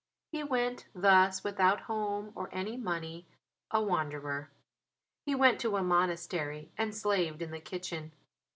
He went thus, without home or any money, a wanderer. He went to a monastery and slaved in the kitchen.